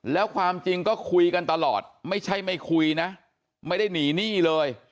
แล้วความจริงก็คุยกันตลอดไม่ใช่ไม่คุยนะไม่ได้หนีหนี้เลย